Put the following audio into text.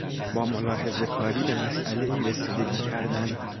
با ملاحظهکاری به مسئلهای رسیدگی کردن